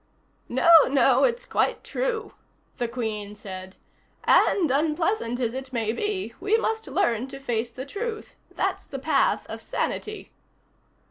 "No, no, it's quite true," the Queen said, "and, unpleasant as it may be, we must learn to face the truth. That's the path of sanity."